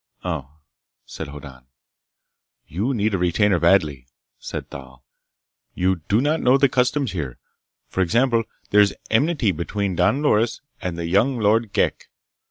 "Oh," said Hoddan. "You need a retainer badly," said Thal. "You do not know the customs here. For example, there is enmity between Don Loris and the young Lord Ghek.